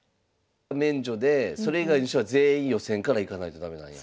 免除でそれ以外の人は全員予選からいかないと駄目なんや。